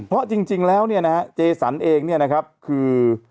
เพราะจริงแล้วเนี่ยนะฮะเจสันเองเนี่ยนะครับคือ